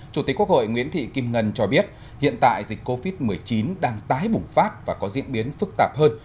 chủ tịch quốc hội nguyễn thị kim ngân cho biết hiện tại dịch covid một mươi chín đang tái bùng phát và có diễn biến phức tạp hơn